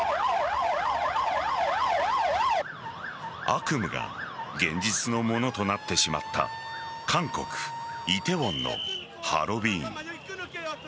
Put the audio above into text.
悪夢が現実のものとなってしまった韓国・梨泰院のハロウィーン。